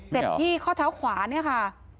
เจ็บที่ข้อแถวขวานี่ค่ะ